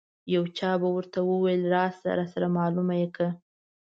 یو چا به ورته ویل راشه راسره معلومه یې کړه.